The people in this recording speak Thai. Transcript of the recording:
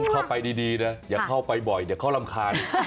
เข้าไปดีนะอย่าเข้าไปบ่อยอย่าเขารำคาญ